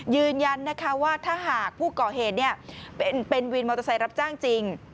ยืนยันนะคะว่าถ้าหากผู้ก่อเหตุเป็นวินมอเตอร์ไซค์รับจ้างจริง